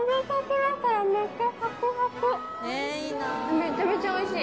めちゃめちゃおいしい！